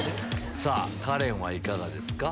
さぁカレンはいかがですか？